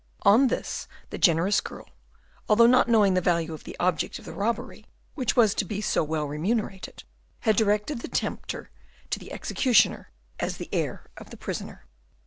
On this, the generous girl, although not yet knowing the value of the object of the robbery, which was to be so well remunerated, had directed the tempter to the executioner, as the heir of the prisoner.